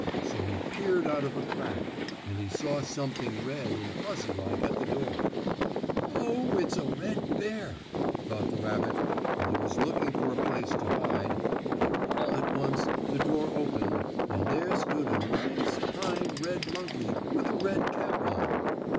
So he peered out of a crack, and he saw something red and fuzzy like at the door. "Oh, it's a red bear!" thought the rabbit, and he was looking for a place to hide, when all at once the door opened and there stood a nice, kind red monkey, with a red cap on.